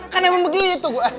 kan emang begitu